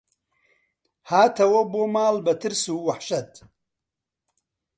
هاتەوە بۆ ماڵ بە ترس و وەحشەت